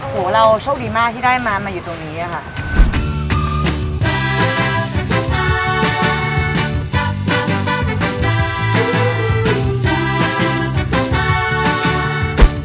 โหเราโชคดีมากที่ได้มามาอยู่ตรงนี้ค่ะ